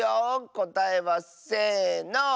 こたえはせの！